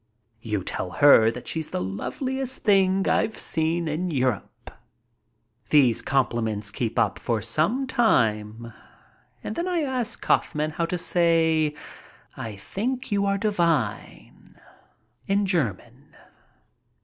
"You tell her that she's the loveliest thing I've seen in Europe." These compliments keep up for some time, and then I ask Kaufman how to say, "I think you are divine" ii8 MY TRIP ABROAD in German.